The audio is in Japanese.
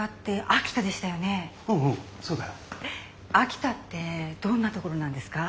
秋田ってどんなところなんですか？